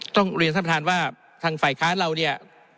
ต้องเรียนท่านประธานว่าทางฝ่ายค้านเราเนี่ย